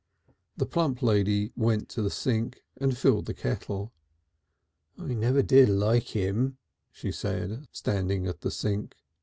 '" The plump lady went to the sink and filled the kettle. "I never did like 'im," she said, standing at the sink.